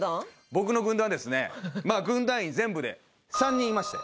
僕の軍団はですね軍団員全部で３人いまして。